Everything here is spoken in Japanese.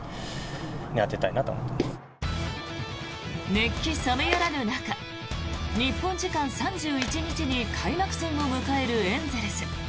熱気冷めやらぬ中日本時間３１日に開幕戦を迎えるエンゼルス。